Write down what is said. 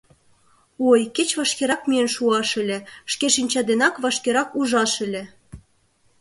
Ой, кеч вашкерак миен шуаш ыле, шке шинча денак вашкерак ужаш ыле...